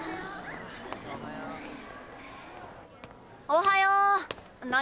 おはよう！何？